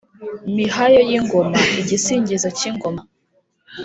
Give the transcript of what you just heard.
Mihayo y’ingoma: igisingizo k’ingoma.